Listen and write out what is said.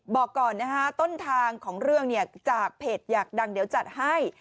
บอกก่อนนะฮะต้นทางของเรื่องเนี่ยจากเพจอยากดังเดี๋ยวจัดให้